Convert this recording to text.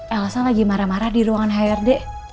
elsa lagi marah marah di ruangan hrd